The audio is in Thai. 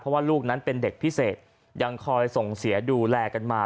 เพราะว่าลูกนั้นเป็นเด็กพิเศษยังคอยส่งเสียดูแลกันมา